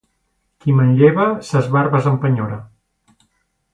Qui manlleva, ses barbes empenyora.